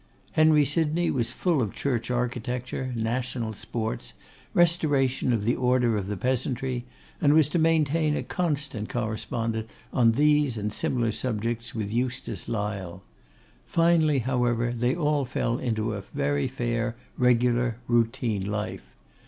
Henry Sydney was full of church architecture, national sports, restoration of the order of the Peasantry, and was to maintain a constant correspondence on these and similar subjects with Eustace Lyle. Finally, however, they all fell into a very fair, regular, routine life.